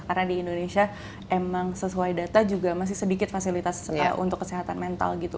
karena di indonesia emang sesuai data juga masih sedikit fasilitas untuk kesehatan mental gitu